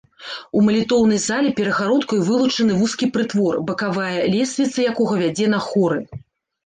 У малітоўнай зале перагародкай вылучаны вузкі прытвор, бакавая лесвіца якога вядзе на хоры.